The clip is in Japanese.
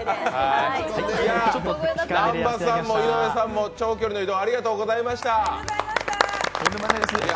じゃあ南波さんも井上さんも長距離の移動ありがとうございました。